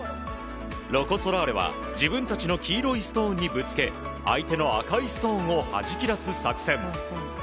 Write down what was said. ロコ・ソラーレは自分たちの黄色いストーンにぶつけ相手の赤いストーンをはじき出す作戦。